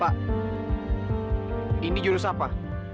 pak ini jurus apa